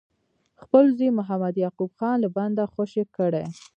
خپل زوی محمد یعقوب خان له بنده خوشي کړي.